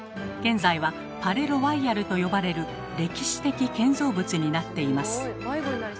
現在は「パレ・ロワイヤル」と呼ばれる歴史的建造物になっています。